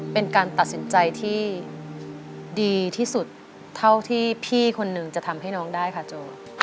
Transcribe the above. เป็นการตัดสินใจที่ดีที่สุดเท่าที่พี่คนหนึ่งจะทำให้น้องได้ค่ะโจ